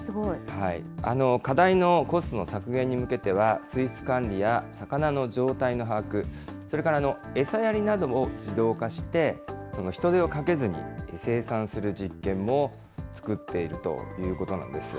課題のコストの削減に向けては、水質管理や魚の状態の把握、それから餌やりなども自動化して、人手をかけずに生産する実験も作っているということなんですよ。